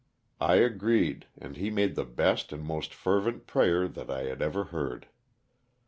I agreed, and he made the best and most fervent prayer that I had ever heard.